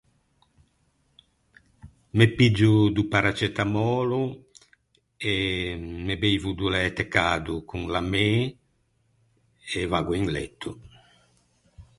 Me piggio do paracetamölo e me beivo do læte cado con l’amê e vaggo in letto.